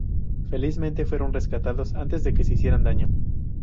Felizmente fueron rescatados antes de que se hicieran daño.